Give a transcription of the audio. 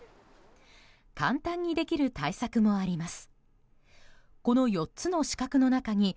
簡単にできる対策もあります。